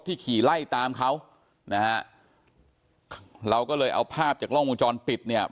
ขี่ไล่ตามเขานะฮะเราก็เลยเอาภาพจากกล้องวงจรปิดเนี่ย